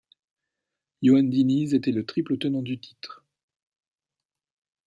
Yohann Diniz était le triple tenant du titre.